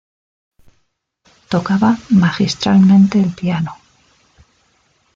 Tocaba magistralmente el piano.